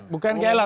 bukan gak elok